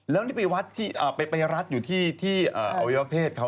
แล้วนี่ไปรัดอยู่ที่อวิวเผศเขา